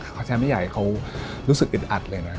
เข้าใจไม่อยากให้เขารู้สึกอึดอัดเลยนะ